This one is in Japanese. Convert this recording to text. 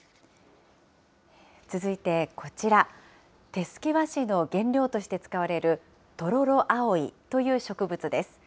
続いてこちら、手すき和紙の原料として使われるトロロアオイという植物です。